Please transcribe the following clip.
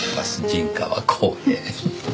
「陣川公平」